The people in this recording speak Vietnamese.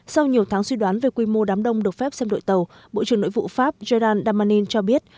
sau nhiều tháng suy đoán về quy mô đám đông được phép xem đội tàu bộ trưởng nội vụ pháp gerdan damanin cho biết